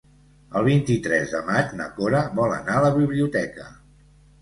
El vint-i-tres de maig na Cora vol anar a la biblioteca.